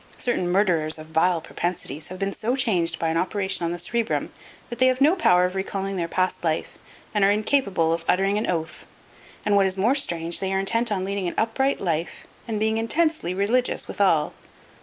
Certain murderers of vile propensities have been so changed by an operation on the cerebrum that they have no power of recalling their past life and are incapable of uttering an oath. And what is more strange, they are intent on leading an upright life and being intensely religious withal.